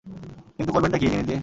কিন্তু করবেনটা কী এই জিনিস দিয়ে?